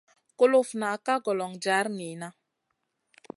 Kulufna ka golon jar niyna.